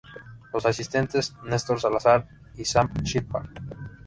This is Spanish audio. Los asistentes: Nestor Salazar y Sam Sheppard.